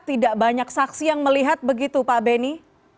tidak banyak saksi yang melihat begitu pak beni